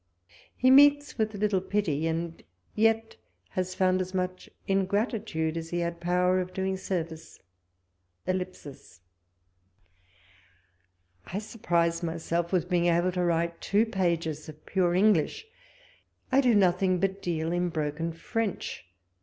He meets with little pity, and yet has found as much ingratitude as he had had power of doing service. .. I surprise myselt with being able to write two pages of pure English ; I do nothing but deal in broken French.